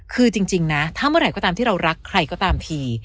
คือจริงนะถ้าเมื่อไหร่ก็ตามที่เรารักใครก็ตามที